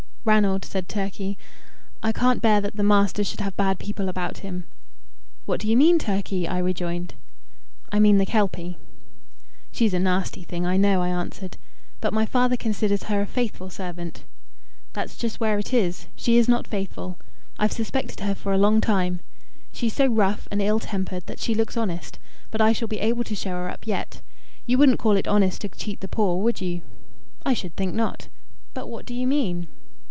"Ranald," said Turkey, "I can't bear that the master should have bad people about him." "What do you mean, Turkey?" I rejoined. "I mean the Kelpie." "She's a nasty thing, I know," I answered. "But my father considers her a faithful servant." "That's just where it is. She is not faithful. I've suspected her for a long time. She's so rough and ill tempered that she looks honest; but I shall be able to show her up yet. You wouldn't call it honest to cheat the poor, would you?" "I should think not. But what do you mean?"